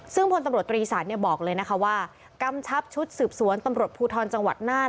ซึ่งพลตำรวจตรีสารบอกเลยนะคะว่ากำชับชุดสืบสวนตำรวจภูทรจังหวัดน่าน